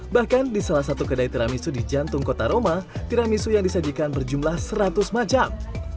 bahkan di salah satu kedai tiramisu di jantung kota roma tiramisu yang disajikan berjumlah seratus macam